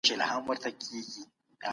بانکونو د پانګوالو حسابونه په دقت څيړل.